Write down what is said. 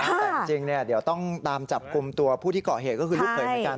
แต่จริงเดี๋ยวต้องตามจับกลุ่มตัวผู้ที่เกาะเหตุก็คือลูกเขยเหมือนกัน